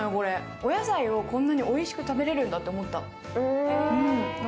お野菜をこんなにおいしく食べられるんだって思った。